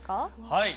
はい。